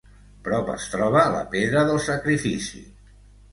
Prop es troba la Pedra del Sacrifici.